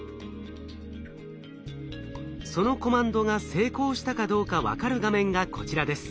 そのコマンドが成功したかどうか分かる画面がこちらです。